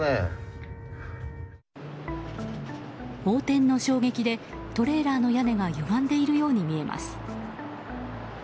横転の衝撃でトレーラーの屋根がゆがんでいるように見えます。